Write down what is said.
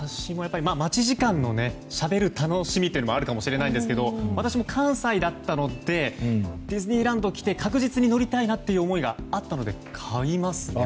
待ち時間のしゃべる楽しみというのもあるかもしれないんですけど私も関西だったのでディズニーランドに来て確実に乗りたいなという思いがあったので買いますね。